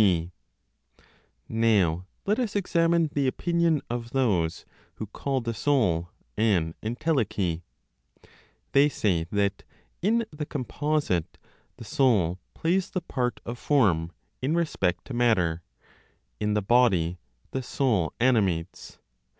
b. Now let us examine the opinion of those who call the soul an entelechy. They say that, in the composite, the soul plays the part of form in respect to matter, in the body the soul animates.